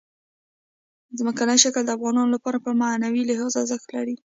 ځمکنی شکل د افغانانو لپاره په معنوي لحاظ ارزښت لري.